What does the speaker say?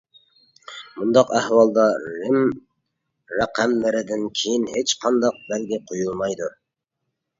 مۇنداق ئەھۋالدا رىم رەقەملىرىدىن كېيىن ھېچقانداق بەلگە قويۇلمايدۇ.